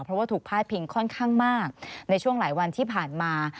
เพราะว่าถูกพาดพิงค่อนข้างมากในช่วงหลายวันที่ผ่านมา